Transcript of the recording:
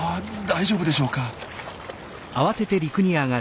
大丈夫でしょうか？